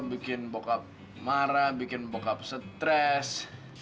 bikin bokap marah bikin bokap stres